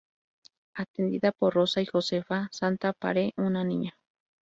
Atendida por Rosa y Josefa, Santa pare una niña.